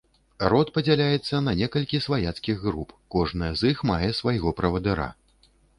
Род падзяляецца на некалькі сваяцкіх груп, кожная з іх мае свайго правадыра.